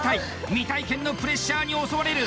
未体験のプレッシャーに襲われる。